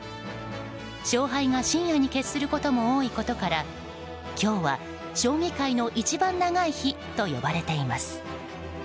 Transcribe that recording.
勝敗が深夜に決することも多いことから今日は、将棋界の一番長い日と呼ばれています。